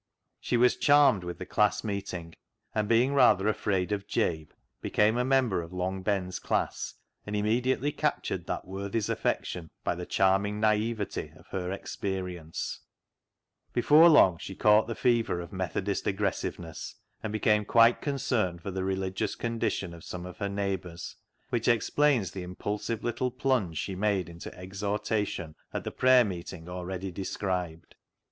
She was charmed with the class meeting, and, being rather afraid of Jabe, became a member of Long Ben's class, and immediately captured that worthy's affection by the charming naivete of her " experience." Before long she caught the fever of Methodist aggressiveness, and became quite concerned for the religious condition of some of her neighbours, which explains the impulsive little plunge she made into exhortation at the prayer meeting already described.